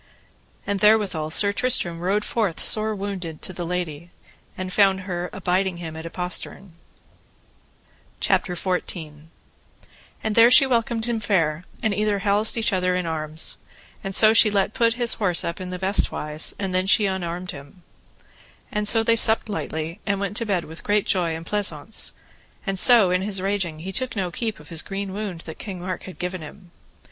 And therewithal Sir Tristram rode forth sore wounded to the lady, and found her abiding him at a postern. CHAPTER XIV. How Sir Tristram lay with the lady, and how her husband fought with Sir Tristram. And there she welcomed him fair, and either halsed other in arms, and so she let put up his horse in the best wise, and then she unarmed him. And so they supped lightly, and went to bed with great joy and pleasaunce; and so in his raging he took no keep of his green wound that King Mark had given him.